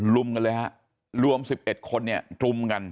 กันเลยฮะรวม๑๑คนเนี่ยรุมกัน